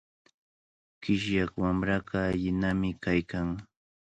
Qishyaq wamraqa allinami kaykan.